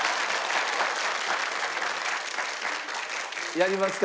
やりますか？